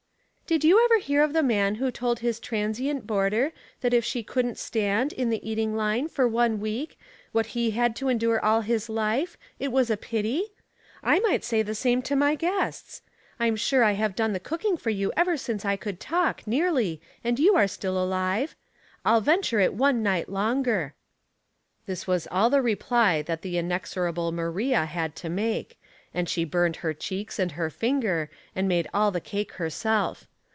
*' Did you ever hear of the man who told his transient boarder that if she couldn't stand, in the eating line, for one week, what he had to endure all his life, it was a pity? I might say the same to my guests. I am sure I have done the cooking for you ever since I could talk, nearly, and you are still alive. We'll venture it one night longer." This was all the reply that the inexorable Maria had to make, and she buined her cheeks and her finger, and made all the cake herself.